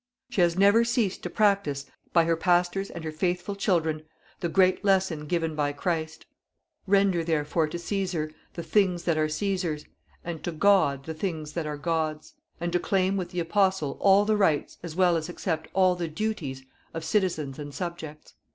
She has never ceased to practice, by Her Pastors and her faithful children, the great lesson given by Christ: "=Render therefore to Cæsar the things that are Cæsar's and to God the things that are God's=," and to claim with the Apostle all the rights as well as accept all the duties of citizens and subjects."